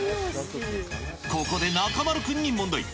ここで中丸君に問題。